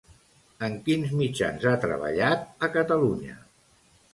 En quins mitjans ha treballat a Catalunya?